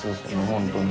本当に。